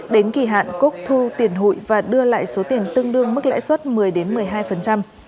đến kỳ hạn cúc thu tiền hụi và đưa lại số tiền tương đương mức lãi suất một mươi một mươi hai